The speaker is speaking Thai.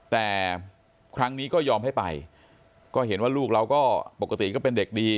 แต่ครั้งนี้ก็ยอมให้ไปก็เห็นว่าลูกเราก็ปกติก็เป็นเด็กดี